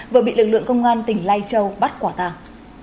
vừa bị lực lượng công an tỉnh lai châu bắt quả tàng